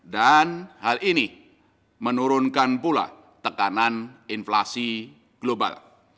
dan hal ini menurunkan pula tekanan inflasi global